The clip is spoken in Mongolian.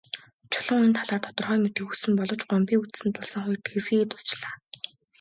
Чулуун энэ талаар тодорхой мэдэхийг хүссэн боловч Гомбын үзсэн дуулсан хоёр тэгсхийгээд дуусчихлаа.